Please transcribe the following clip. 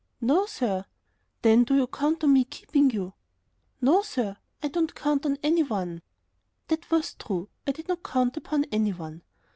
"No, sir." "Then do you count on me keeping you?" "No, sir, I don't count on any one." That was true. I did not count upon any one.